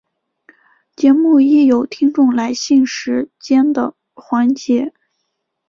节目亦有听众来信时间的环节。